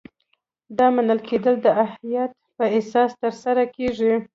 دا منل کیدل د اهلیت په اساس ترسره کیږي.